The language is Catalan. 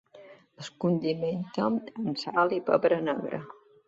Es condimenta amb sal i pebre negre.